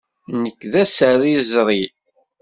Nekk d asariẓri.